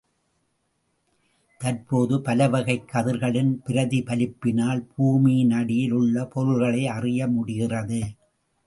தற்போது பல வகைக் கதிர்களின் பிரதிபலிப்பினால் பூமியினடியில் உள்ள பொருள்களை அறிய முடிகிறது.